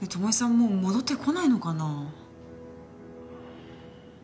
もう戻ってこないのかな？